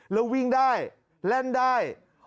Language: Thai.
แล้ววิ่งได้แล่นได้